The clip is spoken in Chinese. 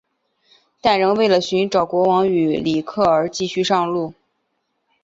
但仍为了寻找国王与里克而继续上路。